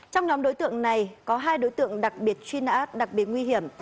trong nhóm đối tượng này có hai đối tượng đặc biệt truy nã đặc biệt nguy hiểm